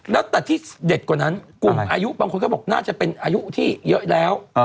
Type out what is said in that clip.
แล้วแต่ที่เด็ดกว่านั้นกลุ่มอายุบางคนก็บอกน่าจะเป็นอายุที่เยอะแล้ว